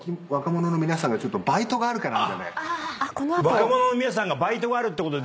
若者の皆さんがバイトがあるってことで。